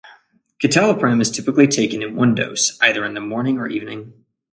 Citalopram is typically taken in one dose, either in the morning or evening.